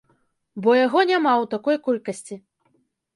Бо яго няма ў такой колькасці.